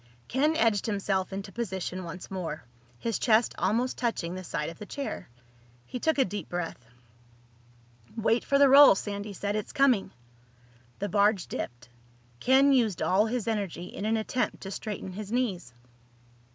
Ken edged himself into position once more, his chest almost touching the side of the chair. He took a deep breath. "Wait for the roll," Sandy said. "It's coming." The barge dipped. Ken used all his energy in an attempt to straighten his knees.